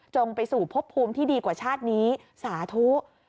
ไปสู่พบภูมิที่ดีกว่าชาตินี้สาธุ